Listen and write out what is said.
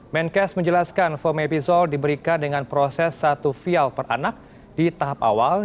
menkes menjelaskan fomepizol diberikan dengan proses satu vial per anak di tahap awal